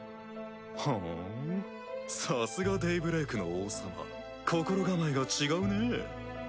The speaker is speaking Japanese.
ふんさすがデイブレイクの王様心構えが違うねぇ。